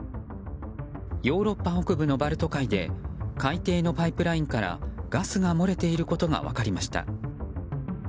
ヨーロッパ北部のバルト海で海底のパイプラインからガスが漏れていることが分かりました。